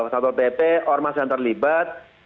satpol pp ormas yang terlibat